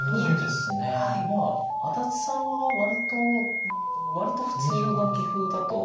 まあ安達さんは割と割と普通な棋風だと思っていて。